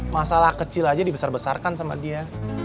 masalah kecil aja dibesar besarkan sama dia